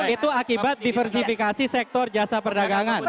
itu akibat diversifikasi sektor jasa perdagangan